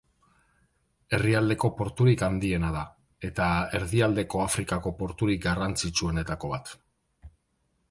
Herrialdeko porturik handiena da, eta Erdialdeko Afrikako porturik garrantzitsuenetako bat.